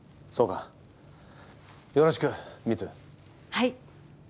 はい。